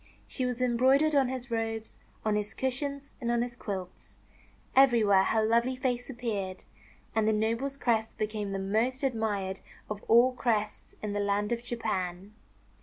She was embroidered on his robes, on his cushions, and on his quilts. Everywhere her lovely face appeared; and the noble's crest became the most admired of all crests in the land of Japan.